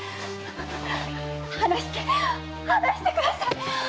放して放してください！